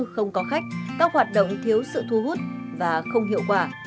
không có khách các hoạt động thiếu sự thu hút và không hiệu quả